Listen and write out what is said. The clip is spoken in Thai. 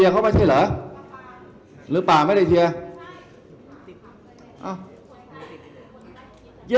ก้าว